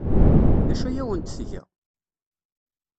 D acu ay awent-tga?